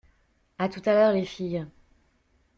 À tout à l’heure, les filles...